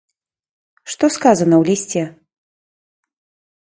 Што сказана ў лісце?